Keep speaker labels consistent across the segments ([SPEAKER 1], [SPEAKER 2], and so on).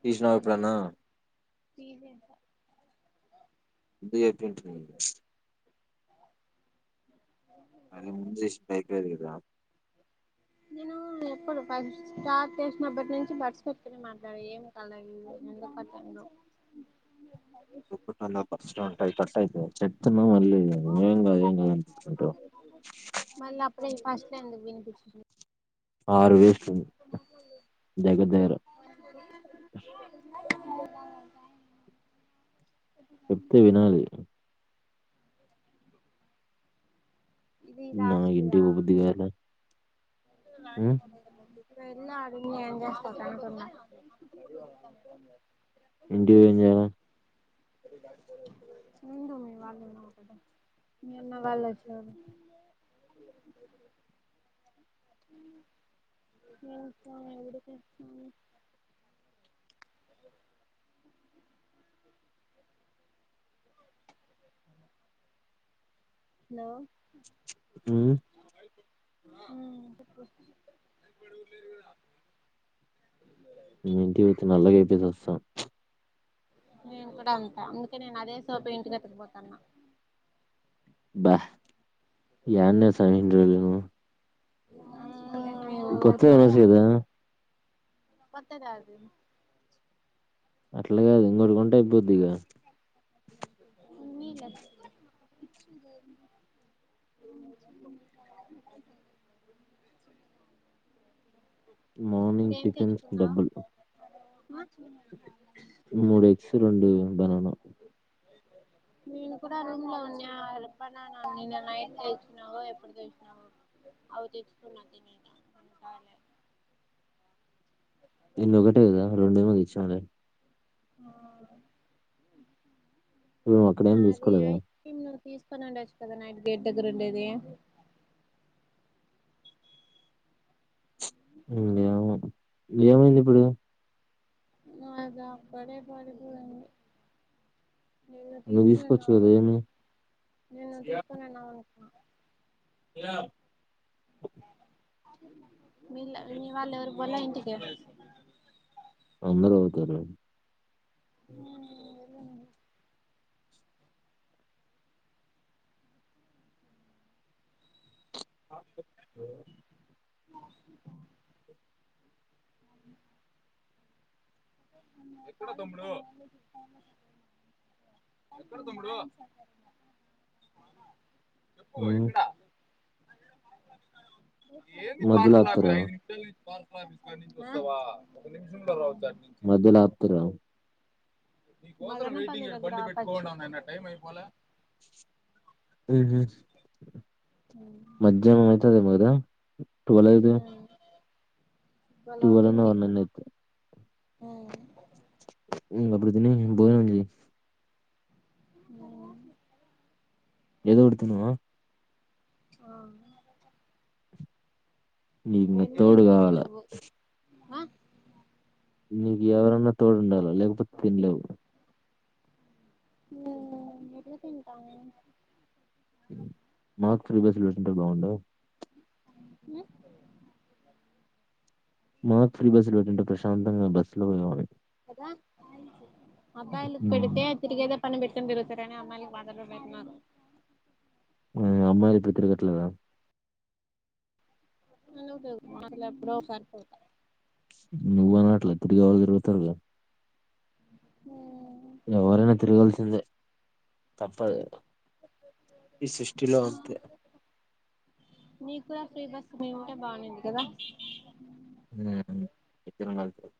[SPEAKER 1] తీసినవ ఎప్పుడనా
[SPEAKER 2] తీయలేదురా
[SPEAKER 1] [unintelligible] [unintelligible] అరే ముంజేష్ బైక్ అడిగాడురా
[SPEAKER 2] నేను ఎప్పుడు ఫస్ట్ స్టార్ట్ చేసినప్పటి నుంచి బర్డ్స్ పెట్టుకునే మాట్లాడ ఏంకాలే ఎందుకు అట్ల అయిందో
[SPEAKER 1] [unintelligible] బగ్స్ ఉంటాయి కట్ అయితయి చెట్ చెప్పుతున్నాను మళ్ళీ ఏంకాదు ఏంకాదు అనుకుంటు
[SPEAKER 2] మళ్ళీ అప్పుడే ఫస్ట్ ఎందుకు వినిపించలే
[SPEAKER 1] ఆరు వేస్ట్ దగ్గర దగ్గర
[SPEAKER 2] [inaudible]
[SPEAKER 1] చెప్తే వినాలి నాకు
[SPEAKER 2] ఇదిలాస్ట్ దా
[SPEAKER 1] ఇంటికి పోబుద్ది కాలే ఉమ్
[SPEAKER 2] వెళ్ళు అడుండి ఏం చేస్తావ్ గంట ఉన్న
[SPEAKER 1] ఇంటికివోయి ఏం చేయాలే
[SPEAKER 2] ఉండు మీ వాళ్ళు మీ అమ్మ వాళ్ళు వచ్చేవరకు ఇంకా ఎడిపిస్తున్నవ్ హలో
[SPEAKER 1] హ్మ్
[SPEAKER 2] ఆ
[SPEAKER 1] టితి నల్లగా అయితె చస్తావ్
[SPEAKER 2] నేను కూడా అంతా అందుకే నేను అదే సోపు ఇంటి ఎత్తుకు పోతున్న
[SPEAKER 1] బా యన్నే సామీ ఇన్ని రోజులు
[SPEAKER 2] మీ
[SPEAKER 1] కొత్త
[SPEAKER 2] ఊర్లో
[SPEAKER 1] వినాసయదా
[SPEAKER 2] కొత్తది యాది
[SPEAKER 1] అట్లా కాదు ఇంకోటి కొంటే అయిపోద్దిగా
[SPEAKER 2] ఉన్నీలే
[SPEAKER 1] మార్నింగ్
[SPEAKER 2] ఇప్పుడు ఏం
[SPEAKER 1] టిఫిన్స్ కి
[SPEAKER 2] తెచ్చుకున్నావు
[SPEAKER 1] డబ్బులు మూడు ఎగ్స్ రెండు బనానా
[SPEAKER 2] నేను కూడా రూమ్ లో ఉన్నా ఆడ బనానా నీనా నైట్ తెచ్చినావో ఎప్పుడు తెచ్చినావో అవి తెచ్చుకున్న తినేకి
[SPEAKER 1] ఎన్ని ఒకటే కదా రెండు ఏమో తెచ్చి [unintelligible]
[SPEAKER 2] ఆ
[SPEAKER 1] నువ్వు
[SPEAKER 2] ఆ
[SPEAKER 1] అక్కడేం
[SPEAKER 2] అది
[SPEAKER 1] తీసుకోలేదా
[SPEAKER 2] ఐస్ క్రీమ్ నువ్వు తీసుకొని ఉండచ్చు కదా నైట్ గేడ్ దగ్గర ఉండేది
[SPEAKER 1] ఏమో ఏమైంది ఇప్పుడు
[SPEAKER 2] అదా అక్కడే పడిపోయింది నిన్న
[SPEAKER 1] నువ్వు
[SPEAKER 2] తీసుకుని
[SPEAKER 1] తీసుకోవచ్చు
[SPEAKER 2] ఉన్నాం
[SPEAKER 1] కదా ఏమి
[SPEAKER 2] అనుకున్నా నిన్న తీసుకుని ఉన్నాం అనుకున్నా ఐస్ క్రీం బండోడ్ మీల్ల మీ వాళ్ళు ఎవరు బోలే ఇంటి ఎం
[SPEAKER 1] అందరు వెళ్తార [inaudible]
[SPEAKER 2] ఆ
[SPEAKER 1] [unintelligible]
[SPEAKER 2] [inaudible] [inaudible] ఎక్కడ తమ్ముడూ ఎక్కడ తమ్ముడూ చెప్పూ
[SPEAKER 1] హ్మ్
[SPEAKER 2] ఎక్కడ ఏది
[SPEAKER 1] మధ్యలో
[SPEAKER 2] పార్సల
[SPEAKER 1] ఆపుతారా
[SPEAKER 2] ఐదు నిమిషలు నుంచి పార్ ఆఫీస్ కాడ్నుంచి వస్తవా ఒక నిమిషం లో రవచ్చు ఆడ నుంచ్
[SPEAKER 1] మద్దిలో ఆప్తరా
[SPEAKER 2] ని కోసం వెయిటింగ్ బండి పెట్కోన్న టైం అయిపోలే
[SPEAKER 1] ఉ ఉ
[SPEAKER 2] [inaudible]
[SPEAKER 1] తరు ఏమో గదా ట్వెల్వ్ ఐదే టువల్ అన్న వన్ అన్న అయి
[SPEAKER 2] ఆ
[SPEAKER 1] ఉమ్ అప్పుడు తినయ్ భోజనం చేయ్
[SPEAKER 2] ఆ
[SPEAKER 1] ఏదో ఒటి తినూ అ
[SPEAKER 2] ఆ
[SPEAKER 1] నీకు ని తోడు కావాల
[SPEAKER 2] ఆహ్
[SPEAKER 1] నీకు ఎవరన్న తోడు ఉండాలా లేక్పోతే తిన్లేవ్
[SPEAKER 2] ఉమ్ ఎట్ల తింటా నే
[SPEAKER 1] మాక్ ఫ్రీబస్సుల్ పెట్టుంటే బాగుండు
[SPEAKER 2] ఉ
[SPEAKER 1] మాకు ఫ్రీ బస్సు లో పెటింటే ప్రశాంతంగ బస్సు లో పోయవాలం
[SPEAKER 2] అ అబ్బాయిలకు
[SPEAKER 1] హ్మ్
[SPEAKER 2] పెడితే తిర్గేద పని పెట్టని తిరుగుతారని అమ్మాయిలకి మత్రమేపెట్టినరు
[SPEAKER 1] అ అమ్మాయిలు ఇప్పుడు తరుగట్లేర
[SPEAKER 2] [unintelligible] ఎప్పుడోసరి
[SPEAKER 1] నువ్వు అన్నట్ల తిరిగే వాళ్ళ తీరుగుతరుగ
[SPEAKER 2] ఉమ్
[SPEAKER 1] ఎవరైనా తిరగాలసిందే తప్పదె ఈ సృష్టిలో అంతె
[SPEAKER 2] కూడ ఫ్రీ బస్ మీ ఉంటే బాగుంది కదా
[SPEAKER 1] ఉమ్ ఇద్దరం కల్సి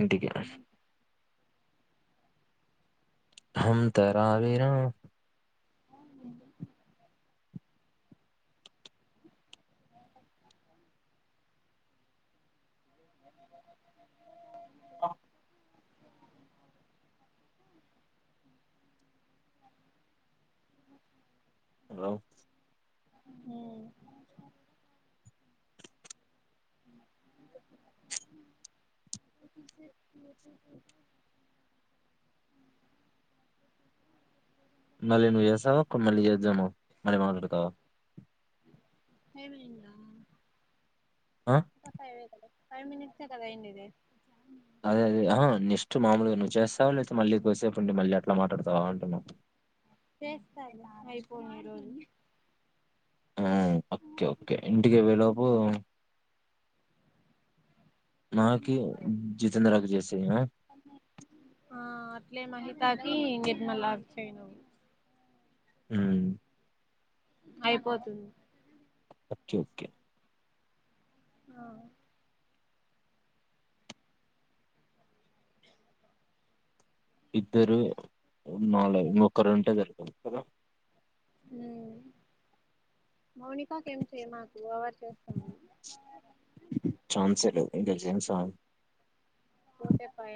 [SPEAKER 1] ఇంటికి హంతరారినా
[SPEAKER 2] అవునులేండి [unintelligible] [inaudible] గాలి
[SPEAKER 1] ఆ
[SPEAKER 2] [inaudible]
[SPEAKER 1] హలో
[SPEAKER 2] [inaudible]
[SPEAKER 1] మళ్ళీ నువ్వు ఏస్సావా కొ మళ్ళీ చేజ్జామ మళ్ళీ మాడడుతావా
[SPEAKER 2] టైమ్ అయిందా
[SPEAKER 1] ఆ
[SPEAKER 2] ఇంకా ఫైవే కదా ఫైవ్ మినిట్సే కద అయిండేది
[SPEAKER 1] అదే అదే ఆహా నెక్స్ట్ మాముూలుగా నువ్వు చేస్తావా లేతే మళ్ళీ కూసేపు ఉండి మళ్ళీ అట్లా మాట్లాడతావా అంటున్నా.
[SPEAKER 2] చేస్తా ఇక
[SPEAKER 1] ఆ ఓకే ఓకే ఇంటికి వేళేలోపు నాకి జితేంద్రకి చేసేయ్ నా
[SPEAKER 2] ఇట్లే మహితాకి నిర్మలా కి చెయ్ ను
[SPEAKER 1] హ్మ్
[SPEAKER 2] అయిపోతుంది
[SPEAKER 1] ఓకే ఓకే
[SPEAKER 2] ఆ
[SPEAKER 1] ఇద్దరూ నాలే ఇంకొక్కరు ఉంటే సరి కదా
[SPEAKER 2] హ్మ్ మౌనికాకి ఏం చెయ్య మాకు ఎవాయిడ్ చేస్తాము
[SPEAKER 1] ఛాన్సే లేదు ఇంకా జేమ్స్ హార్డెన్
[SPEAKER 2] పోతేపాయ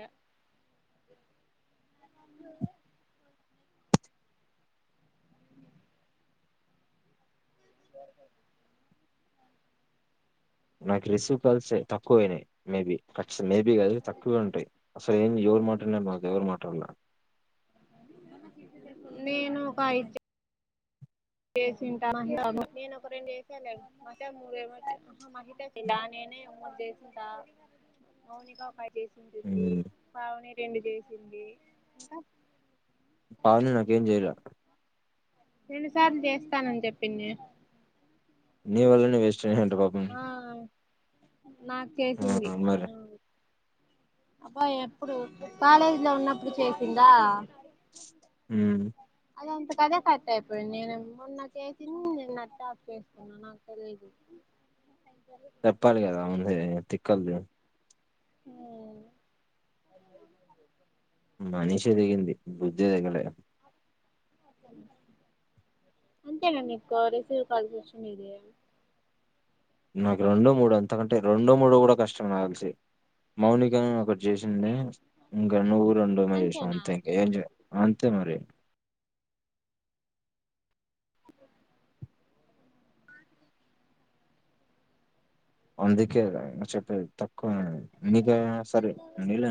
[SPEAKER 1] నాకు రిషవ్ కలిసే తక్కువయినాయి మేబీ ఖచ్చిత మేబీ కాదు తక్కువగా ఉంటాయి, అసలు ఏం ఎవరు మాట్లాడినాను మా ఎవరు మాట్లాడునా
[SPEAKER 2] నేను కాయితే చెసింట [unintelligible] ల్లి
[SPEAKER 1] హ్మ్.
[SPEAKER 2] పవని ఎం చేసింది ఇంకా
[SPEAKER 1] పావును నాకేం చేయరా
[SPEAKER 2] రెండు సార్లు దేవస్థాన చెప్పిన్న
[SPEAKER 1] నవెల్నే వస్ చి హంట పాబ
[SPEAKER 2] నాకు చేసింది అబ్బా ఎప్పుడు కాలేజీ లో ఉన్నప్పుడు చేసిందా
[SPEAKER 1] హ్మ్.
[SPEAKER 2] అది అంత కదే కట్ అయిపోయింది నేను మొన్న చేసింది నేను నట్ ఆఫ్ చేస్తున్నా నాకు తెలిదు
[SPEAKER 1] చెప్పాలి కదా అంది తిక్కలది
[SPEAKER 2] మ్మ్
[SPEAKER 1] మనిషి దిగింది బుద్ధి దిగలే
[SPEAKER 2] అంతే నమ్ ఇకు రసీవ్ కల్ సషన్ ఇదయా
[SPEAKER 1] నాకు రెండో మూడు అంతకంటే రెండో మూడు కూడా కష్టం నా కలిసి మౌనిక ఒకటి చేసిండే ఇంకా నువ్వురు రెంండడుమ చేసినావు
[SPEAKER 2] అంతేనా
[SPEAKER 1] అంతే ఇంకా ఏం అంతే మరి అందుకే చెప్ప తక్కువ మీకా సర నల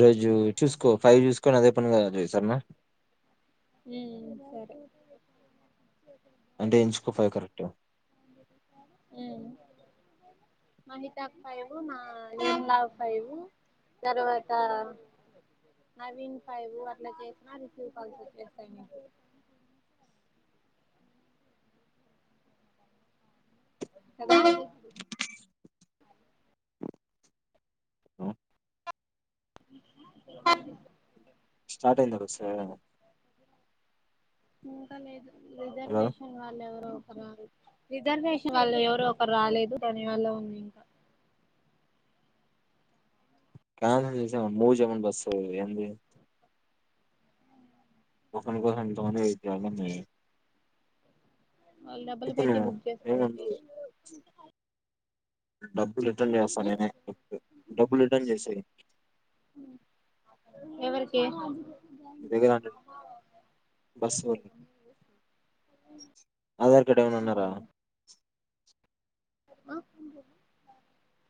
[SPEAKER 1] రోజు చూసుకో ఫైవ్ చూసుకోొని అదే పను కా సరేనా
[SPEAKER 2] మ్మ్ సరే
[SPEAKER 1] అంటే ఎంచుకో ఫవ్ కరెక్ట్ గా
[SPEAKER 2] మహితా ఫైవ్ నా న్లా్ ఫైవ్ తరువాత నవీన్ ఫైవ్ అట్లా చేసిన రివ్ కాల్ త అదా
[SPEAKER 1] స్టార్ట్ అయింద బస్
[SPEAKER 2] ఇంకా లేదు
[SPEAKER 1] హలో
[SPEAKER 2] రిజర్వేషన్ వాళ్ళు ఎవరో రిజర్వేషన్ వాల్ల ఎవరు ఒకరు రాలేదు దాని వల్ల ఉంది ఇంకా
[SPEAKER 1] కన్స చేసా మూమన్ బస్ ఏంది ఒకని కోసం ఇంత మంది వెయిట్ చేయాలా
[SPEAKER 2] వాళ్ళు డబ్బులు కట్టి
[SPEAKER 1] నువ్వు
[SPEAKER 2] బుక్ చేస్తారు
[SPEAKER 1] ఏముంది డబ్బులు రిటర్న్ చేస్తా నే డబ్బులు రిటర్న్ చేసేయి
[SPEAKER 2] ఎవరికి
[SPEAKER 1] నీ దగ్గర అంటే బస్సు వాళ్ళు ఆధార్ కార్డ్ ఏమైనా ఉన్నారా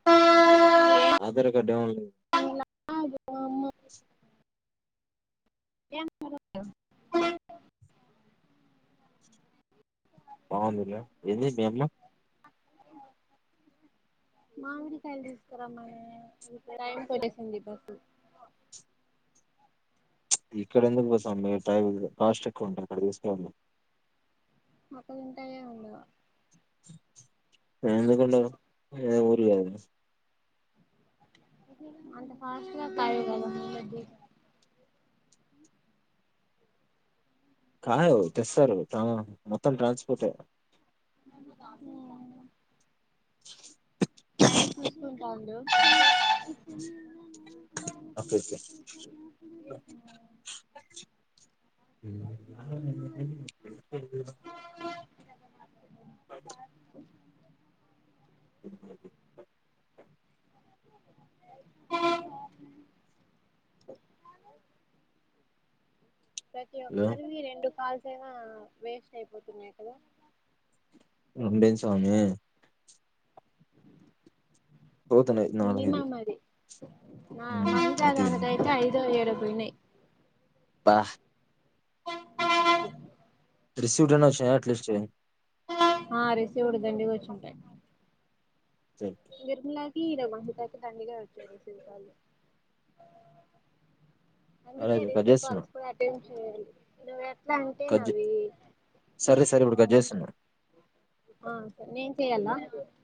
[SPEAKER 2] ఆ
[SPEAKER 1] ఆధార్ కార్డ్ డౌన్లోడ్
[SPEAKER 2] ఆ [inaudible]
[SPEAKER 1] బాగుందిగా ఏంది మీ అమ్మ
[SPEAKER 2] మాడిమాకాయలు తీసుకురమ్మని టైమ్ కి వచేసింది బస్సు
[SPEAKER 1] ఇక్కడ ఎందుకు పోస్తాం మీరు టై కాస్ట్ ఎక్కువ ఉంటాది అక్కడ తీసుకున్నావాళ్ళు
[SPEAKER 2] ఉంటాయో వుండవో
[SPEAKER 1] ఎందుకుండావ్ ఇదేం ఊరు కాదా
[SPEAKER 2] అంత ఫాస్ట్ గా కాయావ్ కదా [unintelligible]
[SPEAKER 1] కాయవు తెస్తారు టా మొత్తం ట్రాన్స్పోర్ట్ ఏ.
[SPEAKER 2] టైం చూసుకుంటా ఉండు.
[SPEAKER 1] ఓకే ఓకే [unintelligible] [unintelligible]
[SPEAKER 2] ప్రతి ఒక్కరివి రెండు కాల్స్. అంతే ఆ వేస్ట్ అయిపోతున్నాయి కదా.
[SPEAKER 1] రోండెందీ స్వామి. పోతున్నాయి నాలుగైదు.
[SPEAKER 2] మినిమం అది నా
[SPEAKER 1] ఉమ్,
[SPEAKER 2] ఇంకా
[SPEAKER 1] అది
[SPEAKER 2] దానికైతే ఐదో ఏడో. పోయినాయి.
[SPEAKER 1] ఆహ్. రిసీవ్డ్ అని ఓ షర్ట్ లిస్ట్ చెయ్యి.
[SPEAKER 2] ఆ రిసీవ్డ్ దండిగా ఒచ్చీఉంటాయి. గర్మిలాగ్. ఇడా [unintelligible] దండిగా వచ్చేవి రిసీవ్డ్ కాల్ లు.
[SPEAKER 1] సరే
[SPEAKER 2] అందుకే
[SPEAKER 1] కట్
[SPEAKER 2] రిసీవ్
[SPEAKER 1] చేస్తున్నా
[SPEAKER 2] కల్స్ కూడా అటెం. చేయండి నువ్వే. ఎట్లా అంటే
[SPEAKER 1] కట్ చే-
[SPEAKER 2] నవ్వింది, ఇన్
[SPEAKER 1] సరే సరే ఇప్పుడు
[SPEAKER 2] ఆ
[SPEAKER 1] కట్
[SPEAKER 2] ఓకే
[SPEAKER 1] చేస్తున్నా
[SPEAKER 2] ఆ నేన్ చెయ్యల.